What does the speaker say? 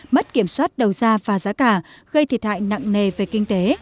mất kiểm soát đầu ra và giá cả gây thiệt hại nặng nề về kinh tế